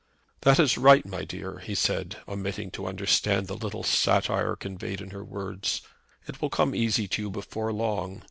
"That is right, my dear," he said, omitting to understand the little satire conveyed in her words. "It will come easy to you before long.